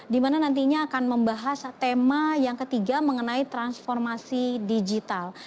dimana nantinya akan membahas tema yang ketiga mengenai transformasi digital